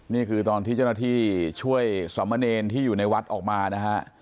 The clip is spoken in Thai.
นี่คือตอนที่เจ้าหน้าที่ช่วยสมเนรที่อยู่ในวัดออกมานะฮะ